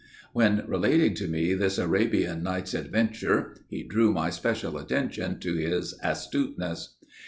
When relating to me this Arabian Nights' adventure, he drew my special attention to his astuteness.